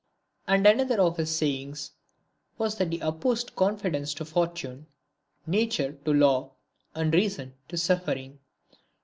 And another of his sayings was that he opposed confidence to fortune, nature to law, and reason to suffering.